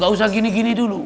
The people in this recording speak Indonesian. gak usah gini gini dulu